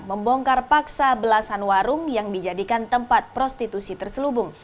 membongkar paksa belasan warung yang dijadikan tempat prostitusi terselubung